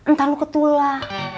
ntar lo ketulah